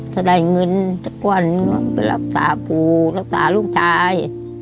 ถ้าได้เงินสักวันหนึ่งไปรักษาปู่รักษาลูกชาย